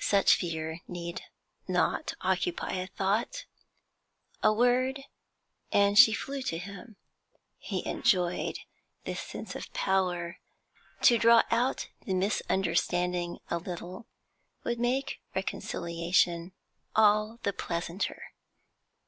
Such fear need not occupy a thought; a word, and she flew to him. He enjoyed this sense of power; to draw out the misunderstanding a little would make reconciliation all the pleasanter.